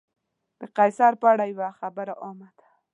د قیصر په اړه یوه خبره عامه ده.